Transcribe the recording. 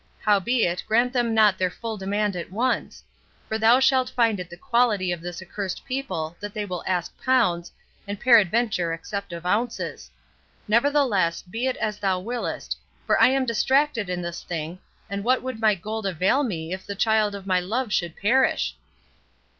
Howbeit, grant them not their full demand at once, for thou shalt find it the quality of this accursed people that they will ask pounds, and peradventure accept of ounces—Nevertheless, be it as thou willest, for I am distracted in this thing, and what would my gold avail me if the child of my love should perish!"